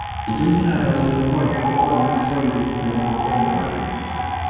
Du jarojn poste oni fondis la muzeon.